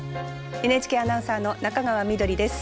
ＮＨＫアナウンサーの中川緑です。